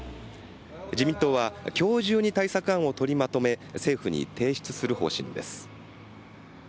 自民党はきょう中に対策案を取りまとめ、政府に提出する方針です。